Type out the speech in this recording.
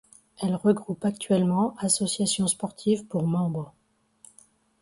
Elle regroupe actuellement associations sportives pour membres.